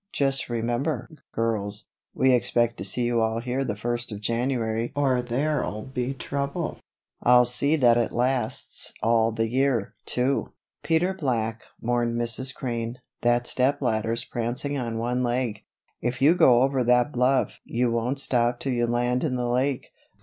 Just remember, girls, we expect to see you all here the first of January or there'll be trouble I'll see that it lasts all the year, too." "Peter Black," warned Mrs. Crane, "that step ladder's prancing on one leg. If you go over that bluff you won't stop till you land in the lake.